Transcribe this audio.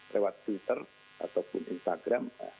lewat twitter ataupun instagram